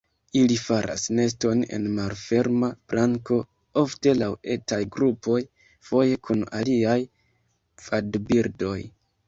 Ili faras neston en malferma planko, ofte laŭ etaj grupoj, foje kun aliaj vadbirdoj.